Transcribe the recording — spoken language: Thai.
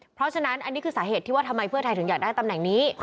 เพราะฉะนั้นอันนี้คือสาเหตุที่ว่าทำไมเพื่อไทยถึงอยากได้ตำแหน่งนี้